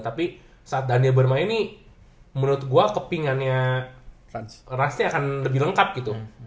tapi saat daniel bermain nih menurut gue kepingannya ranz nya akan lebih lengkap gitu